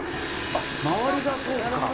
あっ周りがそうか。